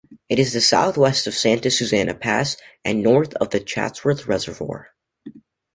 It is southwest of Santa Susana Pass and north of the Chatsworth Reservoir.